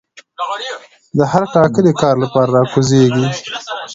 د هر ټاکلي کار لپاره را کوزيږي